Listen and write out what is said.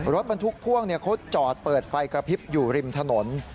รถบรรทุกพ่วงเขาจอดเปิดไฟกระพริบอยู่ริมถนน